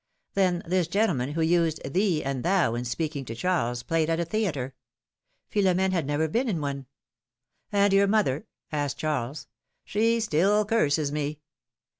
Then this gentleman, who used ^^thee" and ^^thou" in speaking to Charles, played at a theatre ! Philomene had never been in one. ^^And your mother?" asked Charles. She still curses me."